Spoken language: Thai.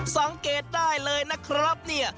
สังเกตได้เลยนะครับเนี่ย